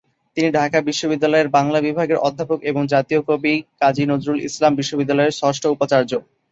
তিনি ঢাকা বিশ্ববিদ্যালয়ের বাংলা বিভাগের অধ্যাপক এবং জাতীয় কবি কাজী নজরুল ইসলাম বিশ্ববিদ্যালয়ের ষষ্ঠ উপাচার্য।